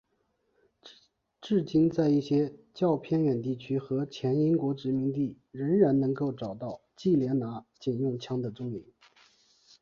至今在一些较偏远地区和前英国殖民地仍然能够找到忌连拿警用枪的踪影。